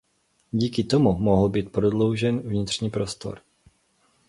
Díky tomu mohl být prodloužen vnitřní prostor.